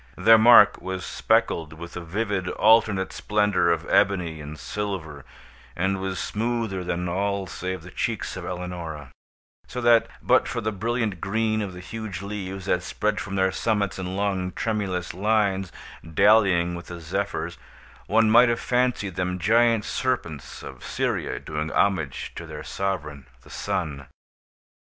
Their mark was speckled with the vivid alternate splendor of ebony and silver, and was smoother than all save the cheeks of Eleonora; so that, but for the brilliant green of the huge leaves that spread from their summits in long, tremulous lines, dallying with the Zephyrs, one might have fancied them giant serpents of Syria doing homage to their sovereign the Sun.